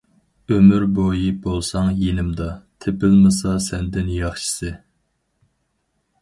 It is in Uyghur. ئۆمۈر بويى بولساڭ يېنىمدا، تېپىلمىسا سەندىن ياخشىسى.